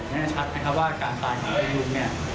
แน่ชัดนะค่ะว่าการตายของพวกมึงเนี่ย